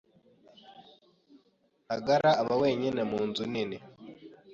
Ntagara aba wenyine mu nzu nini